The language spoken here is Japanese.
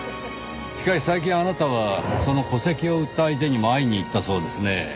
しかし最近あなたはその戸籍を売った相手にも会いに行ったそうですねぇ。